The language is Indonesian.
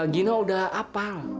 gino udah apal